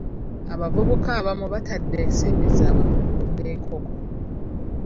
Abavubuka abamu batadde ensimbi zaabwe mu kulunda enkoko.